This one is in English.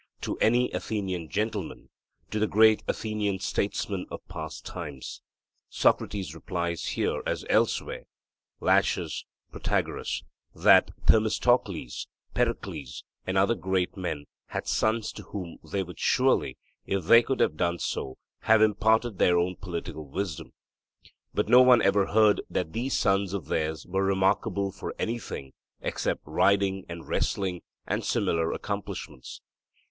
To any Athenian gentleman to the great Athenian statesmen of past times. Socrates replies here, as elsewhere (Laches, Prot.), that Themistocles, Pericles, and other great men, had sons to whom they would surely, if they could have done so, have imparted their own political wisdom; but no one ever heard that these sons of theirs were remarkable for anything except riding and wrestling and similar accomplishments.